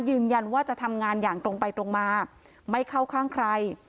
ยืนยันว่าจะทำงานอย่างตรงไปตรงมาไม่เข้าข้างใคร